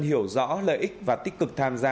hiểu rõ lợi ích và tích cực tham gia